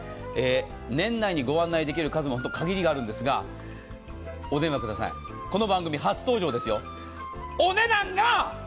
年内にご案内できる数も限りがあるんですがこの番組、初登場ですよ。